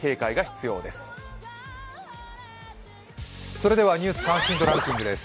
それでは「ニュース関心度ランキング」です。